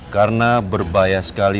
karena berbahaya sekali